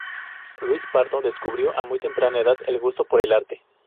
Luis Pardo descubrió a muy temprana edad el gusto por el arte.